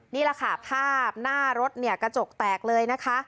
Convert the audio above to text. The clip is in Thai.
นี่แหละค่ะภาพหน้ารถเนี่ยกระจกแตกเลยนะคะ